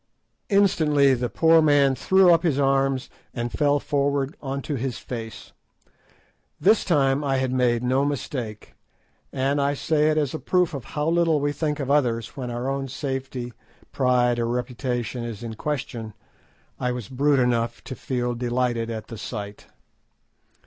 Instantly the poor man threw up his arms, and fell forward on to his face. This time I had made no mistake; and—I say it as a proof of how little we think of others when our own safety, pride, or reputation is in question—I was brute enough to feel delighted at the sight.